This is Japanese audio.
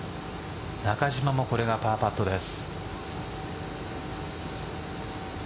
中島もこれがパーパットです。